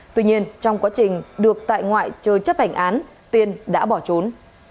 tuy nhiên trong quá trình được tại ngoại chờ chấp hành án tiên đã bỏ trốn